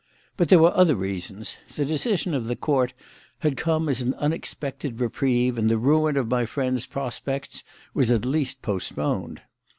But there were other reasons. The decision of the Court had come as an unexpected reprieve and the ruin of my friends' prospects was at least postponed.